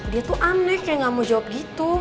dia tuh aneh kayak gak mau jawab gitu